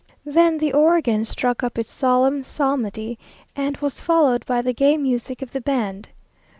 Then the organ struck up its solemn psalmody, and was followed by the gay music of the band.